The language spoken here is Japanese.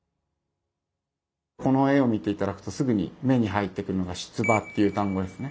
この絵を見て頂くとすぐに目に入ってくるのが「出馬」っていう単語ですね。